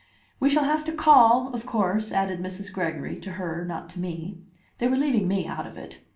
"We shall have to call, of course," added Mrs. Gregory to her, not to me; they were leaving me out of it.